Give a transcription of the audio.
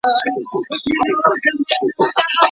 آشاک د غوښي خوراک نه دی.